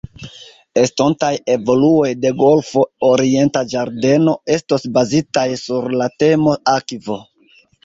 Estontaj evoluoj de Golfo Orienta Ĝardeno estos bazitaj sur la temo 'akvo'.